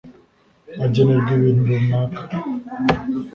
agenerwa ibintu runaka